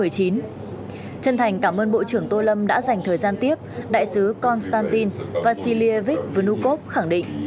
chân thành cảm ơn bộ trưởng tô lâm đã dành thời gian tiếp đại sứ konstantin vassilievich vnukov khẳng định